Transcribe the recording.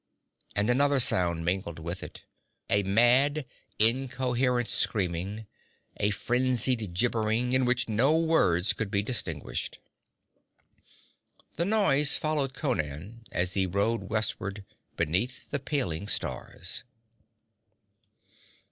And another sound mingled with it, a mad, incoherent screaming, a frenzied gibbering in which no words could be distinguished. The noise followed Conan as he rode westward beneath the paling stars.